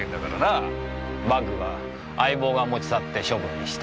バッグは相棒が持ち去って処分した。